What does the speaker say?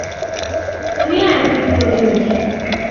তুমিও একজন প্রতিনিধি?